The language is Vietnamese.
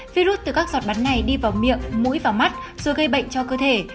virus từ các giọt bắn này đi vào miệng mũi và mắt rồi gây bệnh cho cơ thể